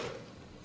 cái diễn biến